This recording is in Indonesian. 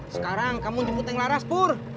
sekarang kamu jemput yang laras pur